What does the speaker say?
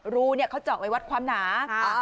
รูเนี่ยเขาเจาะไว้วัดความหนา